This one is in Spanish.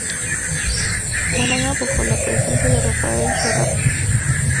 Málaga bajo la presidencia de Rafael Serrano Carvajal.